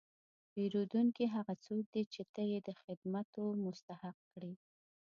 پیرودونکی هغه څوک دی چې ته یې د خدمتو مستحق کړې.